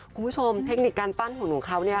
คุณผู้ชมเทคนิคการปั้นหุ่นของเค้าเนี่ย